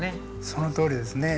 ◆そのとおりですね。